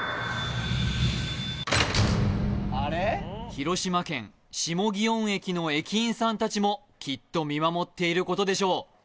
広島県下祇園駅の駅員さんたちもきっと見守っていることでしょう。